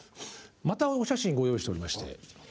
またお写真ご用意しておりまして。